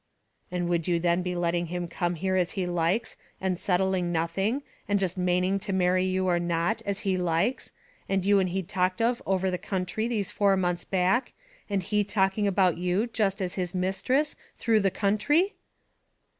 "And would you then be letting him come here as he likes, and settling nothing, and just maning to marry you or not, as he likes, and you and he talked of over the counthry these four months back, and he talking about you, jist as his misthress, through the counthry?"